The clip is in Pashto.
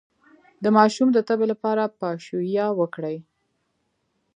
د ماشوم د تبې لپاره پاشویه وکړئ